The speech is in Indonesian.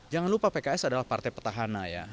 jangan lupa pks adalah partai petahana ya